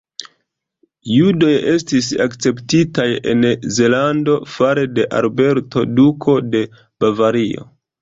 Judoj estis akceptitaj en Zelando fare de Alberto, Duko de Bavario.